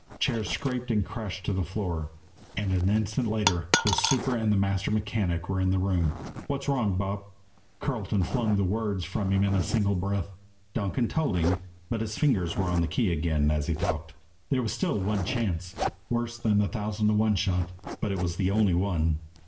Chairs scraped and crashed to the floor, and an instant later the super and the master mechanic were in the room. "What's wrong, Bob?" Carleton flung the words from him in a single breath. Donkin told them. But his fingers were on the key again as he talked. There was still one chance, worse than the thousand to one shot; but it was the only one.